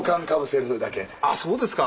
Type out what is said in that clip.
あっそうですか。